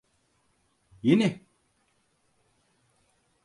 Yeni…